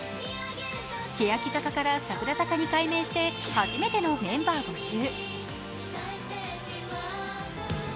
欅坂から櫻坂に改名して初めてのメンバー募集。